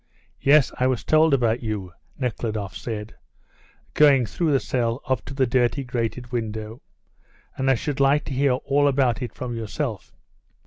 "Yes, I was told about you," Nekhludoff said, going through the cell up to the dirty grated window, "and I should like to hear all about it from yourself."